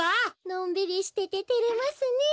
のんびりしてててれますねえ。